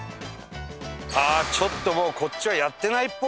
ああちょっともうこっちはやってないっぽいな。